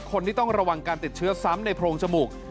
คนที่ต้องระวังการติดเชื้อซ้ำในโพรงจมูก